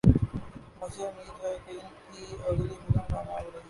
مجھے امید ہے کہ ان کی اگلی فلم کامیاب رہی